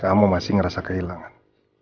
kamu masih ngerasa kehilangan